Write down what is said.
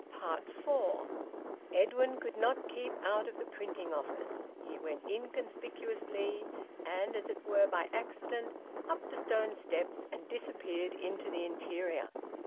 FOUR. Edwin could not keep out of the printing office. He went inconspicuously and, as it were, by accident up the stone steps, and disappeared into the interior.